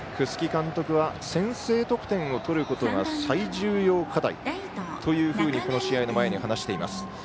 楠城監督は先制得点を取ることが最重要課題というふうにこの試合の前に話しています。